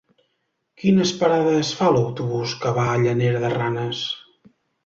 Quines parades fa l'autobús que va a Llanera de Ranes?